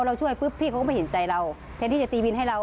เราช่วยปุ๊บพี่เขาก็ไม่เห็นใจเราแทนที่จะตีวินให้เรา